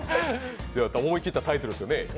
思い切ったタイトルですよね。